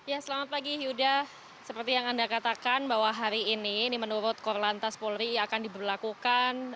ya selamat pagi yuda seperti yang anda katakan bahwa hari ini ini menurut korlantas polri akan diberlakukan